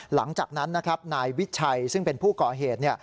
หลังจากนั้นนะครับนายวิชัยซึ่งเป็นผู้ก่อเหตุ